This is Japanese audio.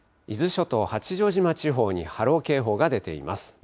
伊豆諸島、八丈島地方に波浪警報が出ています。